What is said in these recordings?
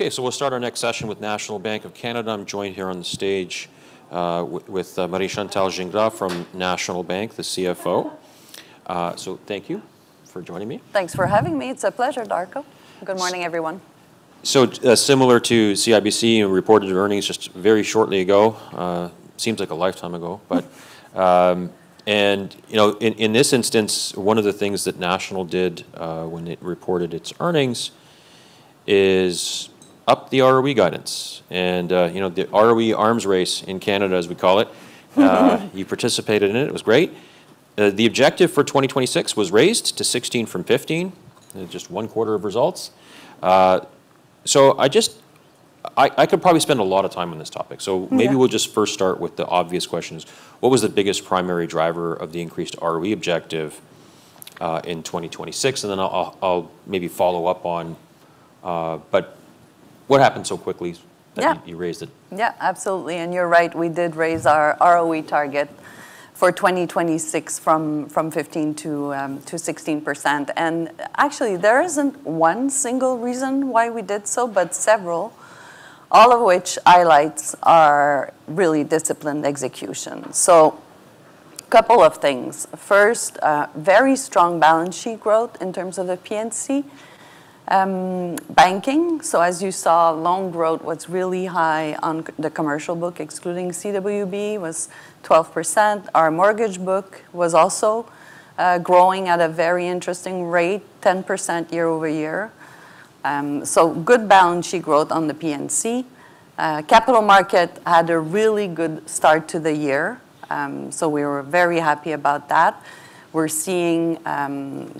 We'll start our next session with National Bank of Canada. I'm joined here on the stage with Marie-Chantal Gingras from National Bank, the CFO. Thank you for joining me. Thanks for having me. It's a pleasure, Darko. Good morning, everyone. Similar to CIBC who reported earnings just very shortly ago. Seems like a lifetime ago. You know, in this instance, one of the things that National did when it reported its earnings is upped the ROE guidance. You know, the ROE arms race in Canada, as we call it. You participated in it. It was great. The objective for 2026 was raised to 16 from 15 in just one quarter of results. I could probably spend a lot of time on this topic. Yeah. Maybe we'll just first start with the obvious questions. What was the biggest primary driver of the increased ROE objective in 2026? I'll maybe follow up on. What happened so quickly? Yeah That you raised it? Yeah. Absolutely. You're right, we did raise our ROE target for 2026 from 15%-16%. Actually, there isn't one single reason why we did so, but several, all of which highlights our really disciplined execution. Couple of things. First, very strong balance sheet growth in terms of the P&C banking. As you saw, loan growth was really high on the commercial book, excluding CWB, was 12%. Our mortgage book was also growing at a very interesting rate, 10% year-over-year. Good balance sheet growth on the P&C. Capital Markets had a really good start to the year, so we were very happy about that. We're seeing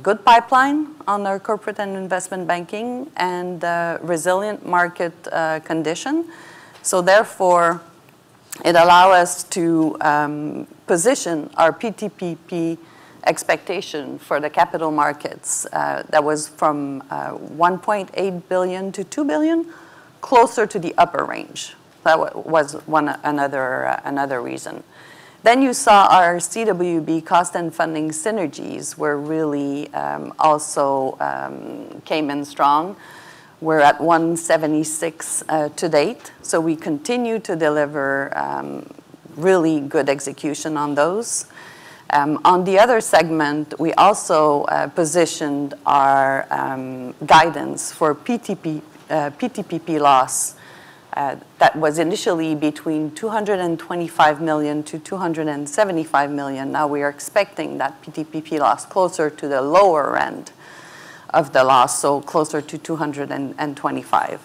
good pipeline on our corporate and investment banking and a resilient market condition. Therefore, it allow us to position our PTPP expectation for the capital markets that was from 1.8 billion-2 billion closer to the upper range. That was one, another reason. You saw our CWB cost and funding synergies were really also came in strong. We're at 176 million to date. We continue to deliver really good execution on those. On the other segment, we also positioned our guidance for PTPP loss that was initially between 225 million-275 million. Now we are expecting that PTPP loss closer to the lower end of the loss, so closer to 225 million.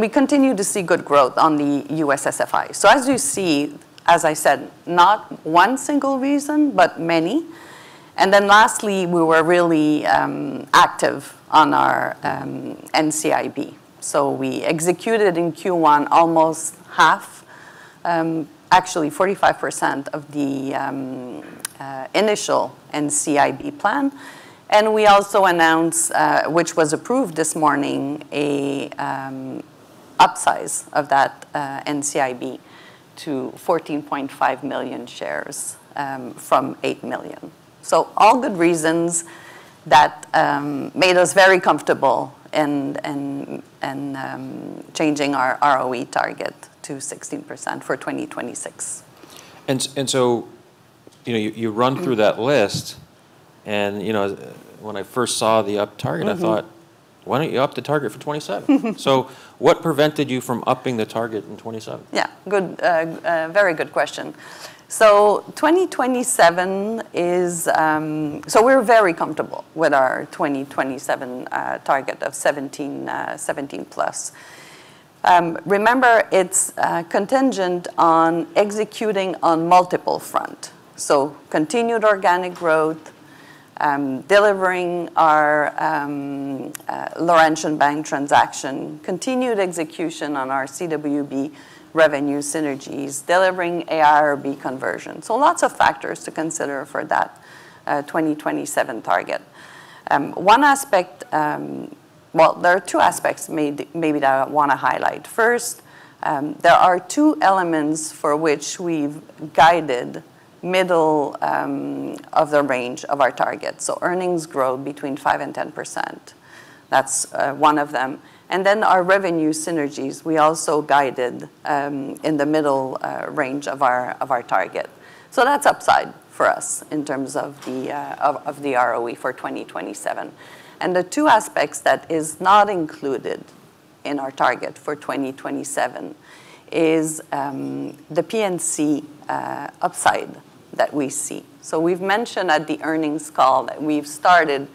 We continue to see good growth on the U.S. SFI. As you see, as I said, not one single reason, but many. Lastly, we were really active on our NCIB. We executed in Q1 almost half, actually 45% of the initial NCIB plan. We also announced, which was approved this morning, an upsize of that NCIB to 14.5 million shares, from 8 million. All good reasons that made us very comfortable in changing our ROE target to 16% for 2026. You know, you run- Mm Through that list and, you know, when I first saw the upped target. Mm-hmm I thought, "Why don't you up the target for 2027?" What prevented you from upping the target in 2027? Yeah. Good. Very good question. 2027 is. We're very comfortable with our 2027 target of 17+. Remember, it's contingent on executing on multiple fronts. Continued organic growth, delivering our Laurentian Bank transaction, continued execution on our CWB revenue synergies, delivering AIRB conversion. Lots of factors to consider for that 2027 target. One aspect. Well, there are two aspects maybe that I wanna highlight. First, there are two elements for which we've guided middle of the range of our target. Earnings growth between 5% and 10%. That's one of them. Our revenue synergies, we also guided in the middle range of our target. That's upside for us in terms of the ROE for 2027. The two aspects that is not included in our target for 2027 is the P&C upside that we see. We've mentioned at the earnings call that we've started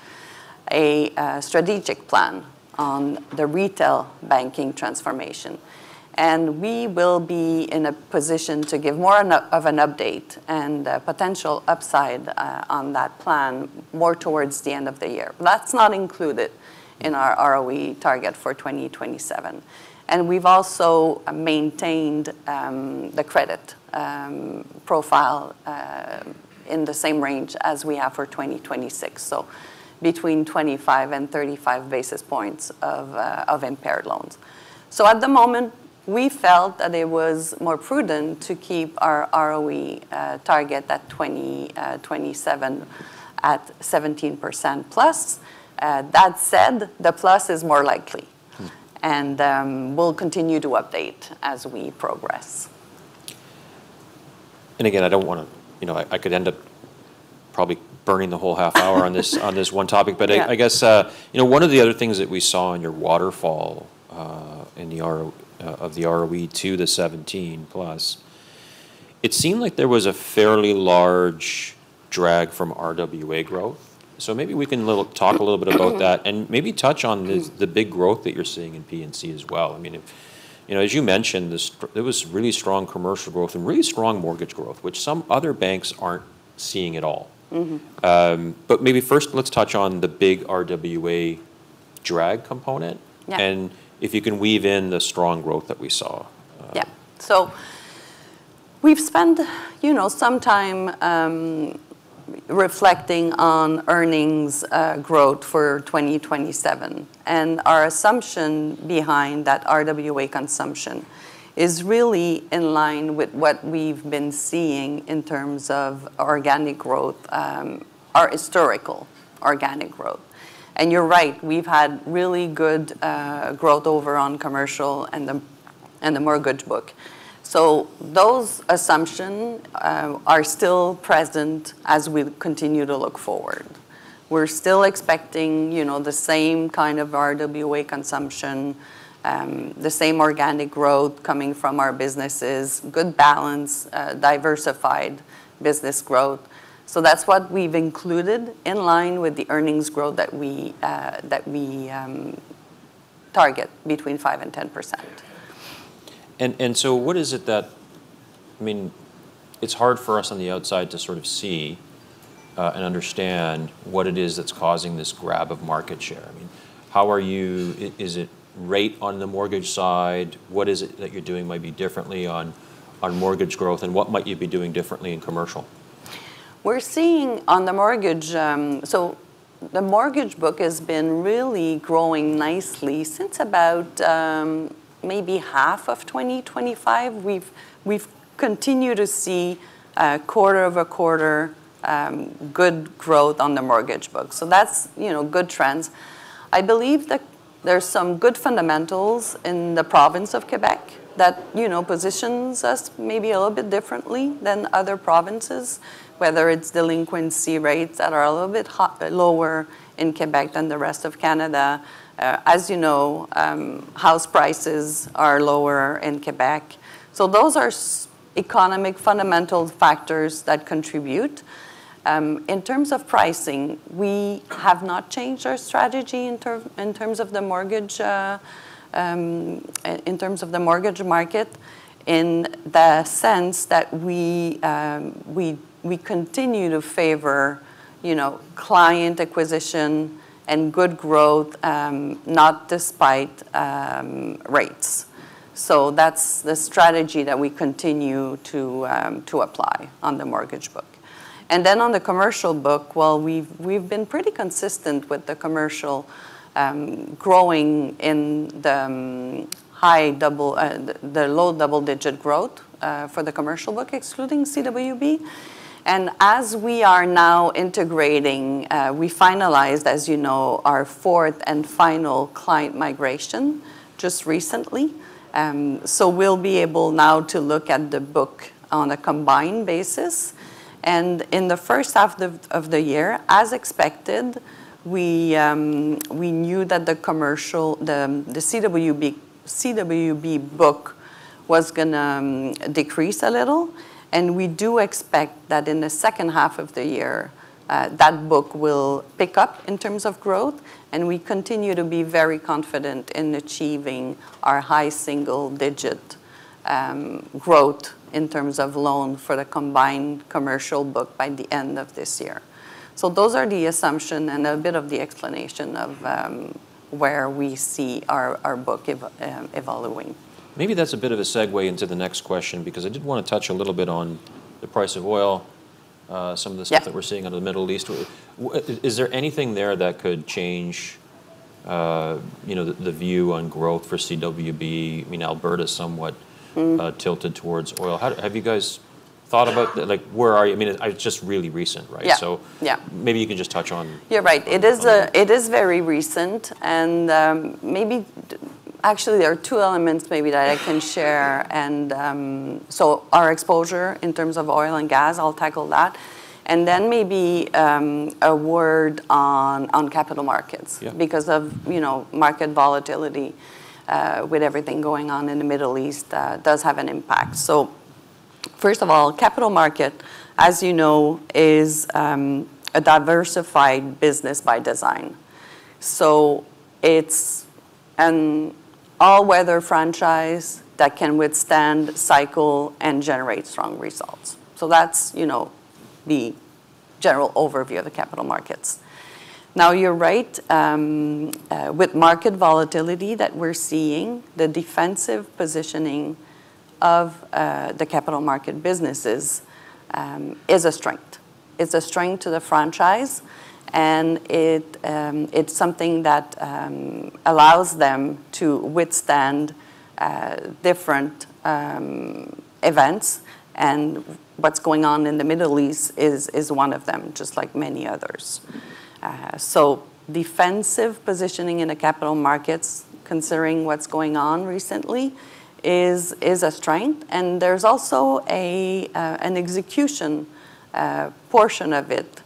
a strategic plan on the retail banking transformation, and we will be in a position to give more of an update and a potential upside on that plan more towards the end of the year. That's not included in our ROE target for 2027. We've also maintained the credit profile in the same range as we have for 2026, so between 25 and 35 basis points of impaired loans. At the moment, we felt that it was more prudent to keep our ROE target at 2027 at 17%+. That said, the plus is more likely. Mm. We'll continue to update as we progress. Again, I don't wanna. You know, I could end up probably burning the whole half hour on this one topic. Yeah. I guess, you know, one of the other things that we saw in your waterfall, in the ROE to the 17%+, it seemed like there was a fairly large drag from RWA growth. Maybe we can talk a little bit about that. Mm-hmm Maybe touch on. Mm The big growth that you're seeing in P&C as well. I mean, if, you know, as you mentioned, there was really strong commercial growth and really strong mortgage growth, which some other banks aren't seeing at all. Mm-hmm. Maybe first let's touch on the big RWA drag component. Yeah. If you can weave in the strong growth that we saw. Yeah. We've spent, you know, some time reflecting on earnings growth for 2027, and our assumption behind that RWA consumption is really in line with what we've been seeing in terms of organic growth, our historical organic growth. You're right, we've had really good growth over on commercial and the mortgage book. Those assumptions are still present as we continue to look forward. We're still expecting, you know, the same kind of RWA consumption, the same organic growth coming from our businesses, good balance, diversified business growth. That's what we've included in line with the earnings growth that we target between 5% and 10%. What is it that I mean, it's hard for us on the outside to sort of see and understand what it is that's causing this grab of market share. I mean, is it rate on the mortgage side? What is it that you're doing maybe differently on mortgage growth, and what might you be doing differently in commercial? We're seeing on the mortgage. The mortgage book has been really growing nicely since about maybe half of 2025. We've continued to see quarter-over-quarter good growth on the mortgage book, so that's you know good trends. I believe that there's some good fundamentals in the province of Quebec that you know positions us maybe a little bit differently than other provinces, whether it's delinquency rates that are a little bit lower in Quebec than the rest of Canada. As you know, house prices are lower in Quebec. Those are economic fundamental factors that contribute. In terms of pricing, we have not changed our strategy in terms of the mortgage market in the sense that we continue to favor, you know, client acquisition and good growth, not despite rates. That's the strategy that we continue to apply on the mortgage book. On the commercial book, well, we've been pretty consistent with the commercial, growing in the low double-digit growth, for the commercial book, excluding CWB. As we are now integrating, we finalized, as you know, our fourth and final client migration just recently, so we'll be able now to look at the book on a combined basis. In the first half of the year, as expected, we knew that the commercial CWB book was gonna decrease a little, and we do expect that in the second half of the year, that book will pick up in terms of growth, and we continue to be very confident in achieving our high single-digit growth in terms of loan for the combined commercial book by the end of this year. Those are the assumption and a bit of the explanation of where we see our book evolving. Maybe that's a bit of a segue into the next question, because I did wanna touch a little bit on the price of oil, some of the stuff. Yeah that we're seeing out of the Middle East. Is there anything there that could change, you know, the view on growth for CWB? I mean, Alberta's somewhat- Mm Tilted towards oil. Have you guys thought about- Yeah Like, where are you? I mean, it's just really recent, right? Yeah. So- Yeah Maybe you can just touch on. You're right. On that. It is very recent, and maybe actually there are two elements maybe that I can share. Our exposure in terms of oil and gas, I'll tackle that. Maybe a word on capital markets. Yeah Because of, you know, market volatility, with everything going on in the Middle East, does have an impact. First of all, Capital Market, as you know, is a diversified business by design. It's an all-weather franchise that can withstand cycle and generate strong results. That's, you know, the general overview of the Capital Markets. Now, you're right, with market volatility that we're seeing, the defensive positioning of the capital market businesses is a strength. It's a strength to the franchise, and it's something that allows them to withstand different events. What's going on in the Middle East is one of them, just like many others. Defensive positioning in the capital markets considering what's going on recently is a strength. There's an execution portion of it,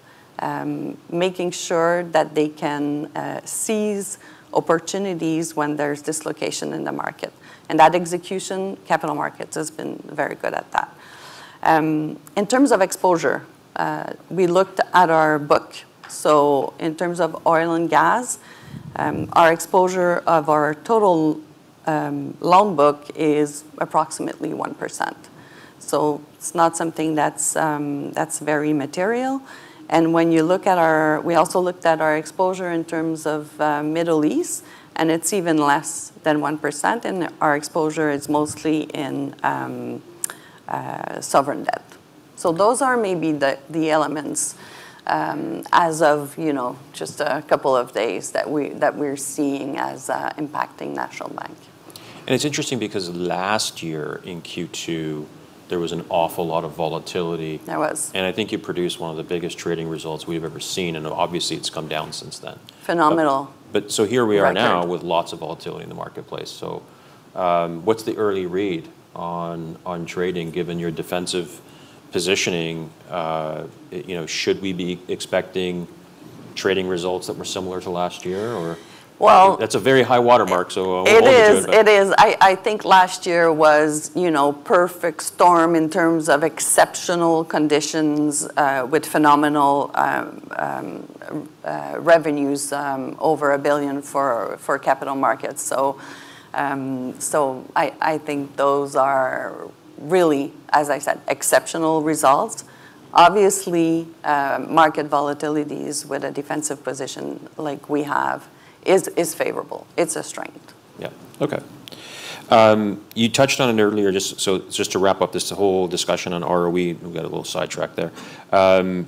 making sure that they can seize opportunities when there's dislocation in the market. That execution, Capital Markets has been very good at that. In terms of exposure, we looked at our book. In terms of oil and gas, our exposure of our total loan book is approximately 1%. It's not something that's very material. When you look at our exposure in terms of Middle East, it's even less than 1%, and our exposure is mostly in sovereign debt. Those are maybe the elements, as of, you know, just a couple of days that we're seeing as impacting National Bank. It's interesting because last year in Q2, there was an awful lot of volatility. There was. I think you produced one of the biggest trading results we've ever seen, and obviously it's come down since then. Phenomenal. Here we are now. Record With lots of volatility in the marketplace. What's the early read on trading given your defensive positioning? You know, should we be expecting trading results that were similar to last year, or? Well- That's a very high watermark, so I'll hold you to it. It is. I think last year was, you know, perfect storm in terms of exceptional conditions with phenomenal revenues over 1 billion for Capital Markets. I think those are really, as I said, exceptional results. Obviously, market volatilities with a defensive position like we have is favorable. It's a strength. Yeah. Okay. You touched on it earlier. Just to wrap up this whole discussion on ROE, we got a little sidetracked there.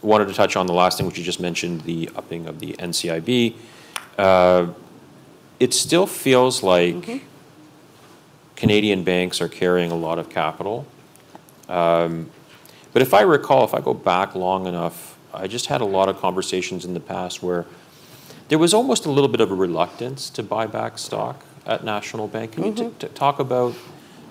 Wanted to touch on the last thing, which you just mentioned, the upping of the NCIB. It still feels like- Mm-hmm Canadian banks are carrying a lot of capital. If I recall, if I go back long enough, I just had a lot of conversations in the past where there was almost a little bit of a reluctance to buy back stock at National Bank. Mm-hmm. Can you talk about,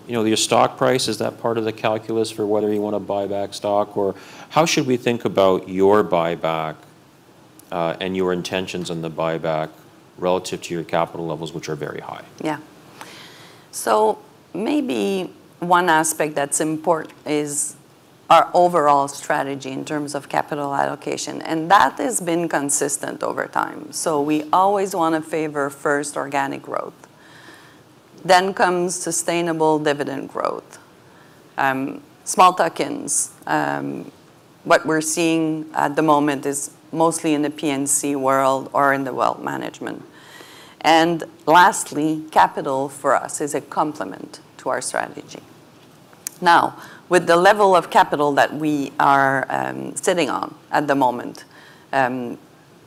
you know, your stock price, is that part of the calculus for whether you wanna buy back stock? Or how should we think about your buyback, and your intentions on the buyback relative to your capital levels, which are very high? Yeah. Maybe one aspect that's important is our overall strategy in terms of capital allocation, and that has been consistent over time. We always wanna favor first organic growth, then comes sustainable dividend growth. Small tuck-ins, what we're seeing at the moment is mostly in the P&C world or in the wealth management. Lastly, capital for us is a complement to our strategy. Now, with the level of capital that we are sitting on at the moment,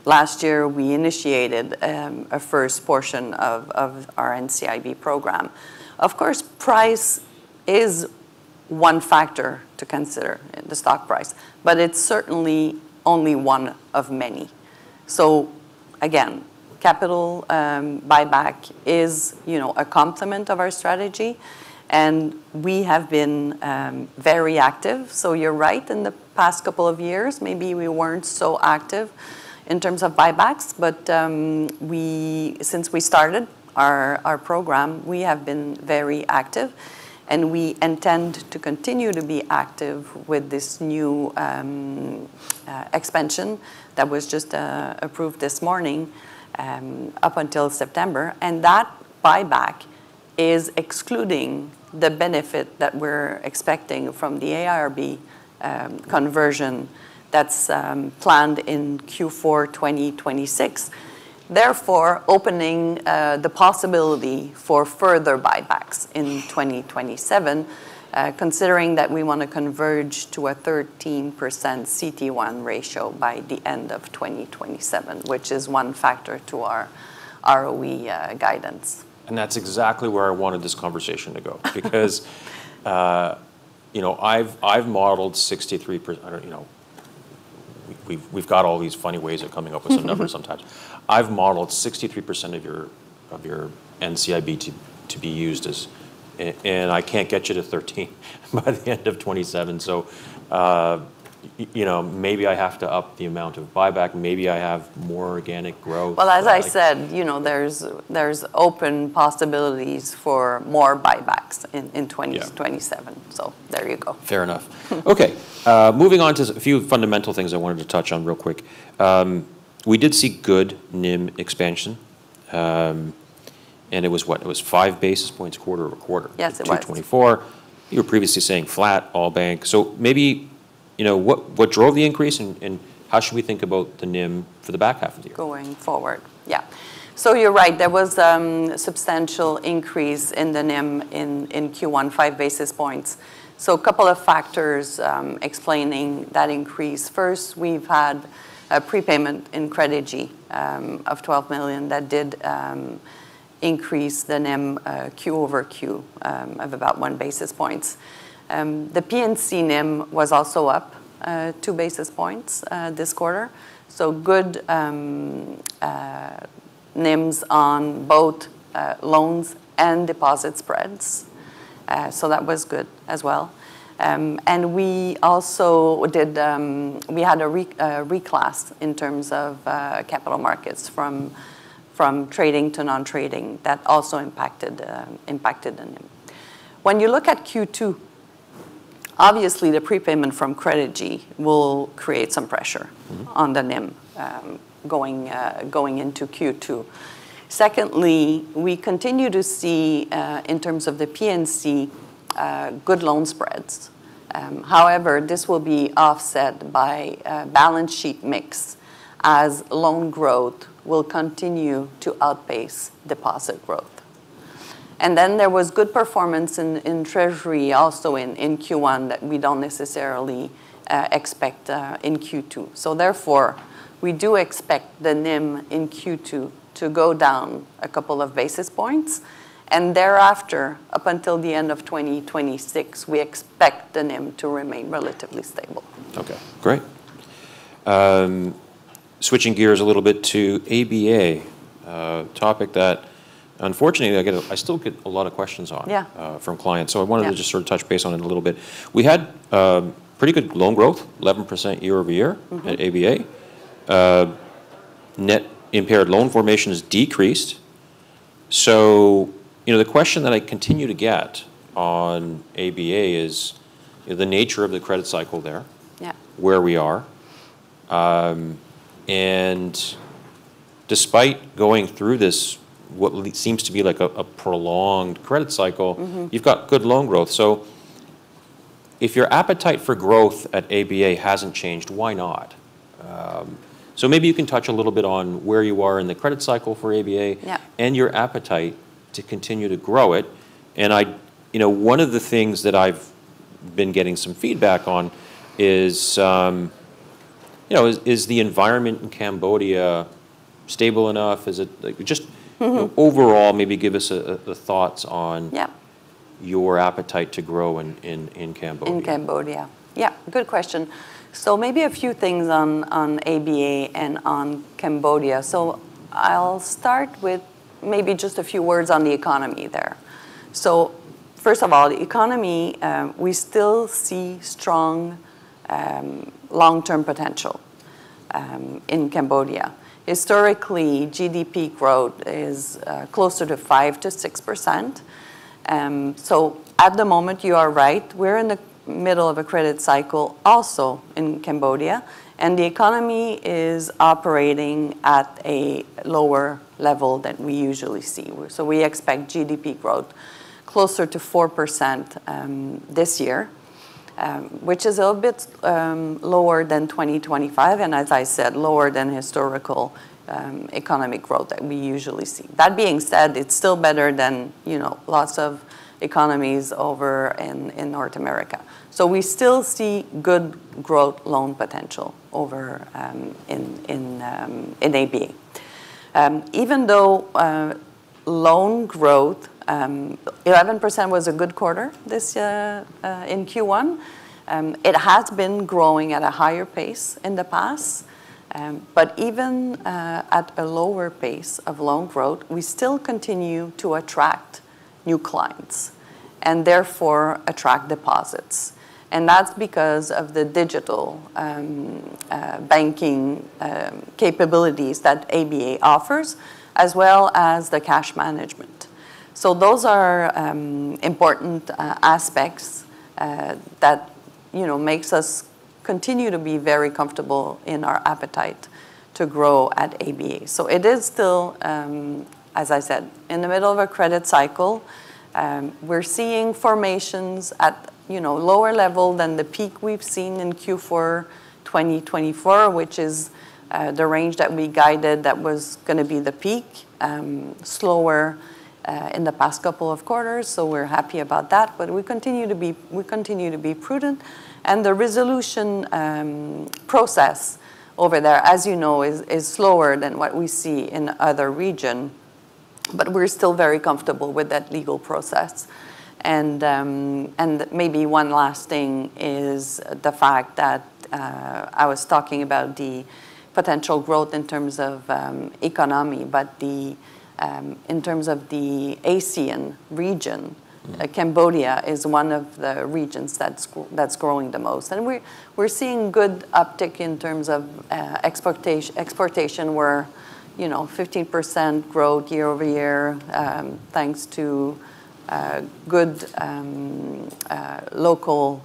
last year, we initiated a first portion of our NCIB program. Of course, price is one factor to consider, the stock price, but it's certainly only one of many. Again, capital buyback is, you know, a complement of our strategy, and we have been very active. You're right, in the past couple of years, maybe we weren't so active in terms of buybacks. Since we started our program, we have been very active, and we intend to continue to be active with this new expansion that was just approved this morning, up until September. That buyback is excluding the benefit that we're expecting from the AIRB conversion that's planned in Q4 2026, therefore opening the possibility for further buybacks in 2027, considering that we wanna converge to a 13% CET1 ratio by the end of 2027, which is one factor to our ROE guidance. That's exactly where I wanted this conversation to go. Because, you know, I've modeled 63%. You know, we've got all these funny ways of coming up with- Mm-hmm Some numbers sometimes. I've modeled 63% of your NCIB to be used as and I can't get you to 13% by the end of 2027. You know, maybe I have to up the amount of buyback, maybe I have more organic growth. Well, as I said. Like- You know, there's open possibilities for more buybacks in 2027. Yeah. There you go. Fair enough. Okay. Moving on to a few fundamental things I wanted to touch on real quick. We did see good NIM expansion, and it was what? It was 5 basis points quarter-over-quarter. Yes, it was. for Q24. You were previously saying flat all banks. Maybe, you know, what drove the increase, and how should we think about the NIM for the back half of the year? Going forward. Yeah. You're right. There was substantial increase in the NIM in Q1, five basis points. A couple of factors explaining that increase. First, we've had a prepayment in Credigy of 12 million that did increase the NIM Q-over-Q of about one basis points. The P&C NIM was also up two basis points this quarter. Good NIMs on both loans and deposit spreads. That was good as well. We had a reclass in terms of capital markets from trading to non-trading that also impacted the NIM. When you look at Q2, obviously the prepayment from Credigy will create some pressure. Mm-hmm On the NIM going into Q2. Secondly, we continue to see in terms of the P&C good loan spreads. However, this will be offset by a balance sheet mix as loan growth will continue to outpace deposit growth. There was good performance in treasury also in Q1 that we don't necessarily expect in Q2. Therefore, we do expect the NIM in Q2 to go down a couple of basis points, and thereafter, up until the end of 2026, we expect the NIM to remain relatively stable. Okay. Great. Switching gears a little bit to ABA, a topic that unfortunately I still get a lot of questions on. Yeah From clients. Yeah. I wanted to just sort of touch base on it a little bit. We had pretty good loan growth, 11% year-over-year. Mm-hmm At ABA. Net impaired loan formation has decreased. You know, the question that I continue to get on ABA is the nature of the credit cycle there. Yeah. Where we are. Despite going through this, what at least seems to be like a prolonged credit cycle. Mm-hmm You've got good loan growth. If your appetite for growth at ABA hasn't changed, why not? Maybe you can touch a little bit on where you are in the credit cycle for ABA. Yeah your appetite to continue to grow it. You know, one of the things that I've been getting some feedback on is, you know, the environment in Cambodia stable enough? Is it like Mm-hmm. Just overall maybe give us the thoughts on. Yeah Your appetite to grow in Cambodia. In Cambodia. Yeah, good question. Maybe a few things on ABA and on Cambodia. I'll start with maybe just a few words on the economy there. First of all, the economy, we still see strong, long-term potential, in Cambodia. Historically, GDP growth is closer to 5%-6%. At the moment, you are right. We're in the middle of a credit cycle also in Cambodia, and the economy is operating at a lower level than we usually see. We expect GDP growth closer to 4%, this year, which is a little bit lower than 2025, and as I said, lower than historical economic growth that we usually see. That being said, it's still better than, you know, lots of economies over in North America. We still see good growth loan potential over in ABA. Even though loan growth 11% was a good quarter this year in Q1, it has been growing at a higher pace in the past. Even at a lower pace of loan growth, we still continue to attract new clients, and therefore attract deposits. That's because of the digital banking capabilities that ABA offers, as well as the cash management. Those are important aspects that you know makes us continue to be very comfortable in our appetite to grow at ABA. It is still as I said in the middle of a credit cycle. We're seeing formations at, you know, lower level than the peak we've seen in Q4 2024, which is the range that we guided that was gonna be the peak, slower in the past couple of quarters. We're happy about that. We continue to be prudent, and the resolution process over there, as you know, is slower than what we see in other region, but we're still very comfortable with that legal process. Maybe one last thing is the fact that I was talking about the potential growth in terms of economy, but in terms of the ASEAN region. Mm-hmm Cambodia is one of the regions that's growing the most. We're seeing good uptick in terms of exports where, you know, 15% growth year-over-year, thanks to good local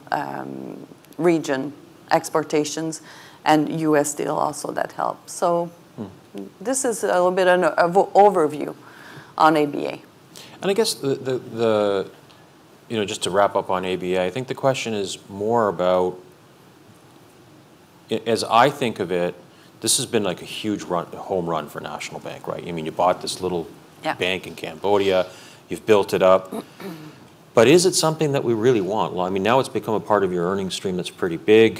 regional exports and U.S. deals also that help. Mm This is a little bit an overview on ABA. I guess the You know, just to wrap up on ABA, I think the question is more about, as I think of it, this has been like a huge run, home run for National Bank, right? I mean, you bought this little- Yeah ABA Bank in Cambodia, you've built it up. Mm-hmm. Is it something that we really want? Well, I mean, now it's become a part of your earnings stream that's pretty big.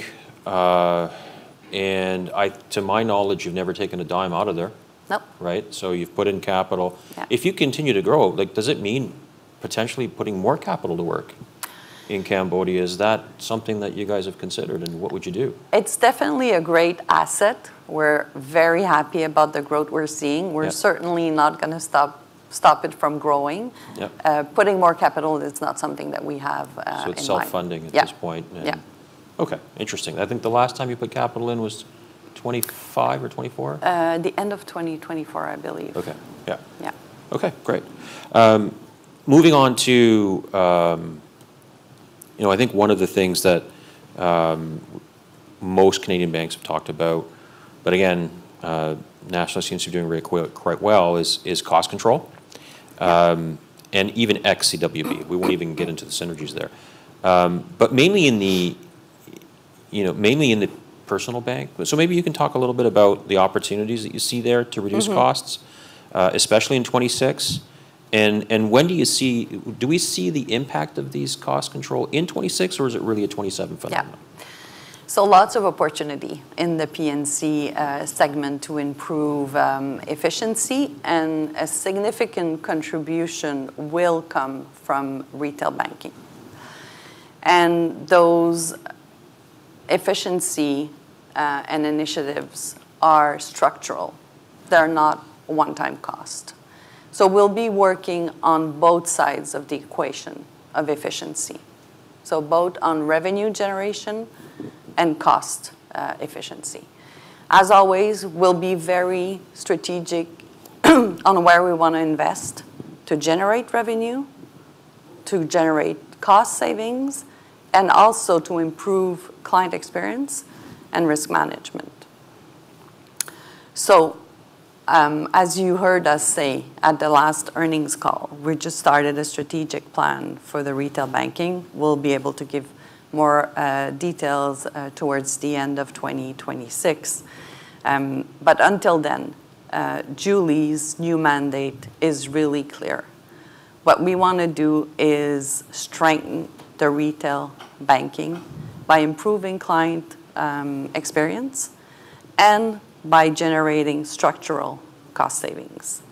I, to my knowledge, you've never taken a dime out of there. Nope. Right? You've put in capital. Yeah. If you continue to grow, like, does it mean potentially putting more capital to work in Cambodia? Is that something that you guys have considered, and what would you do? It's definitely a great asset. We're very happy about the growth we're seeing. Yeah. We're certainly not gonna stop it from growing. Yeah. Putting more capital is not something that we have in mind. It's self-funding. Yeah At this point? Yeah. Okay. Interesting. I think the last time you put capital in was 2025 or 2024? The end of 2024, I believe. Okay. Yeah. Yeah. Okay, great. Moving on to, you know, I think one of the things that most Canadian banks have talked about, but again, National seems to be doing really quite well, is cost control. Even ex-CWB. We won't even get into the synergies there. Mainly in the, you know, mainly in the personal bank. Maybe you can talk a little bit about the opportunities that you see there. Mm-hmm to reduce costs, especially in 2026. When do you see the impact of these cost control in 2026 or is it really a 2027 phenomenon? Yeah. Lots of opportunity in the P&C segment to improve efficiency, and a significant contribution will come from retail banking. Those efficiency and initiatives are structural. They're not one-time cost. We'll be working on both sides of the equation of efficiency, both on revenue generation and cost efficiency. As always, we'll be very strategic on where we wanna invest to generate revenue, to generate cost savings, and also to improve client experience and risk management. As you heard us say at the last earnings call, we just started a strategic plan for the retail banking. We'll be able to give more details towards the end of 2026. Until then, Julie's new mandate is really clear. What we wanna do is strengthen the retail banking by improving client experience and by generating structural cost savings.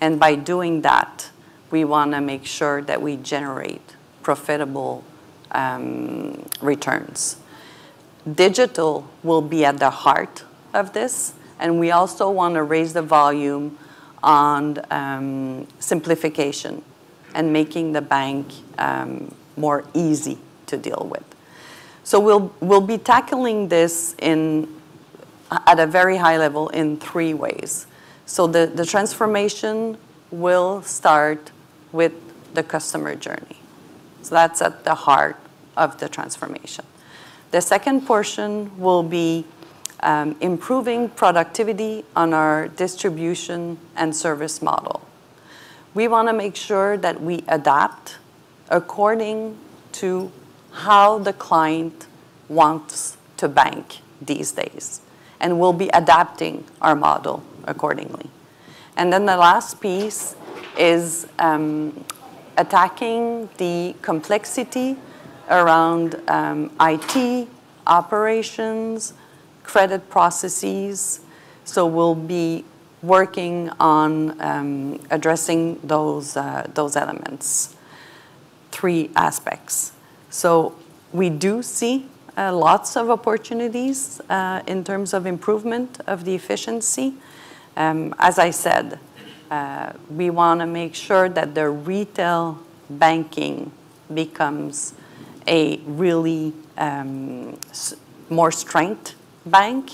By doing that, we wanna make sure that we generate profitable returns. Digital will be at the heart of this, and we also wanna raise the volume on simplification and making the bank more easy to deal with. We'll be tackling this at a very high level in three ways. The transformation will start with the customer journey. That's at the heart of the transformation. The second portion will be improving productivity on our distribution and service model. We wanna make sure that we adapt according to how the client wants to bank these days, and we'll be adapting our model accordingly. The last piece is attacking the complexity around IT, operations, credit processes. We'll be working on addressing those elements. Three aspects. We do see lots of opportunities in terms of improvement of the efficiency. As I said, we wanna make sure that the retail banking becomes a really stronger bank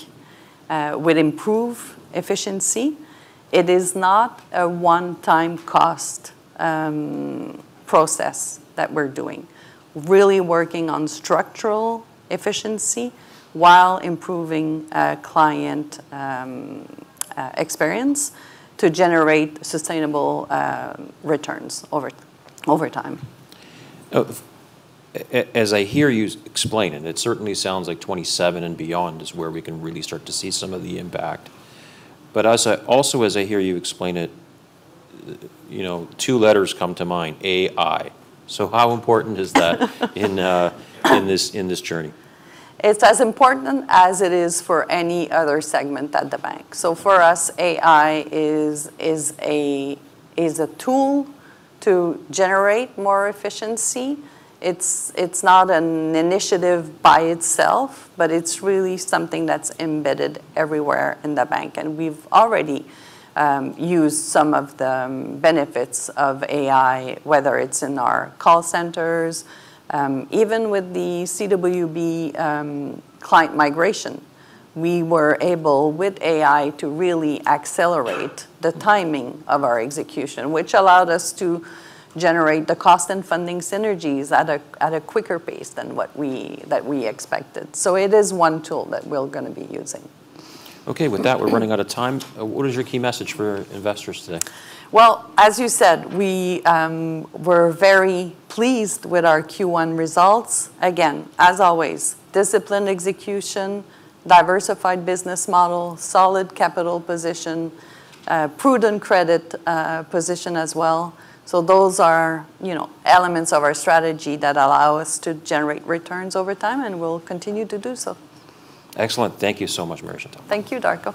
with improved efficiency. It is not a one-time cost process that we're doing. Really working on structural efficiency while improving client experience to generate sustainable returns over time. As I hear you explain it certainly sounds like 2027 and beyond is where we can really start to see some of the impact. As I also hear you explain it, you know, two letters come to mind, AI. How important is that in this journey? It's as important as it is for any other segment at the bank. For us, AI is a tool to generate more efficiency. It's not an initiative by itself, but it's really something that's embedded everywhere in the bank, and we've already used some of the benefits of AI, whether it's in our call centers. Even with the CWB client migration, we were able, with AI, to really accelerate the timing of our execution, which allowed us to generate the cost and funding synergies at a quicker pace than that we expected. It is one tool that we're gonna be using. Okay. With that, we're running out of time. What is your key message for investors today? Well, as you said, we're very pleased with our Q1 results. Again, as always, disciplined execution, diversified business model, solid capital position, a prudent credit position as well. Those are, you know, elements of our strategy that allow us to generate returns over time, and we'll continue to do so. Excellent. Thank you so much, Marie-Chantal. Thank you, Darko.